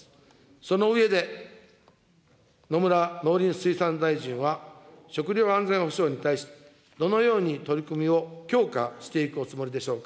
その上で、野村農林水産大臣は食料安全保障に対してどのように取り組みを強化していくおつもりでしょうか。